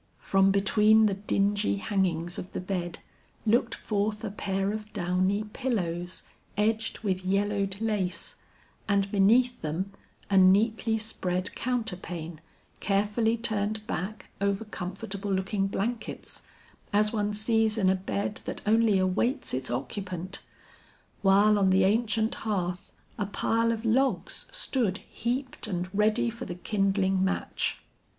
From between the dingy hangings of the bed, looked forth a pair of downy pillows, edged with yellowed lace, and beneath them a neatly spread counterpane carefully turned back over comfortable looking blankets, as one sees in a bed that only awaits its occupant; while on the ancient hearth, a pile of logs stood heaped and ready for the kindling match.